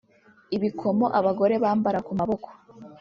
ibikomo abagore bambara ku maboko